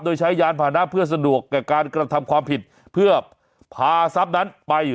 โดยใช้ยานผ่านนะเพื่อสะดวกกับการกระทำความผิดเพื่อพาทรัพย์นั้นไป